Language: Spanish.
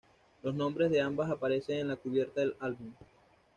Los nombres de ambas aparecen en la cubierta del álbum.